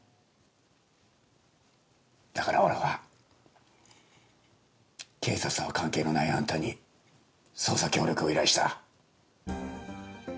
だから俺は警察とは関係のないアンタに捜査協力を依頼した。